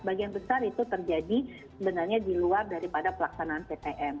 bagian besar itu terjadi sebenarnya di luar daripada pelaksanaan ptm